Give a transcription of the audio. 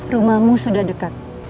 rumahmu sudah dekat